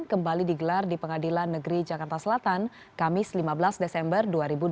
kembali digelar di pengadilan negeri jakarta selatan kamis lima belas desember dua ribu dua puluh